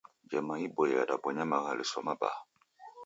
Njama iboie yadabonya maghaluso mabaa.